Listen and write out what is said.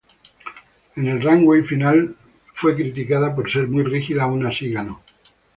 En el runway final fue criticada por ser muy rígida aun así ganó.